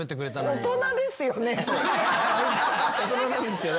大人なんですけど。